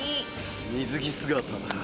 水着姿だ。